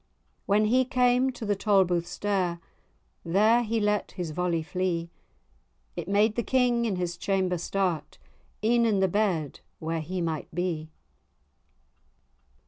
When he came to the Tolbooth stair, There he let his volley flee; It made the King in his chamber start, E'en in the bed where he might be.